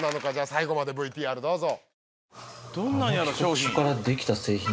最後までＶＴＲどうぞ。